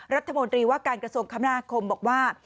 รัฐมนตรีว่าการกระทรวงคมนาคมบอกว่า